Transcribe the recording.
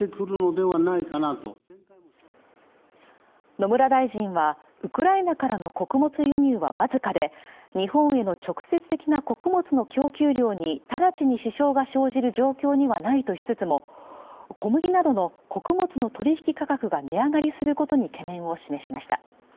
野村大臣は、ウクライナからの穀物輸入はわずかで、日本への直接的な穀物の供給量に直ちに支障が生じる状況にはないとしつつも、小麦などの穀物の取引価格が値上がりすることに懸念を示しました。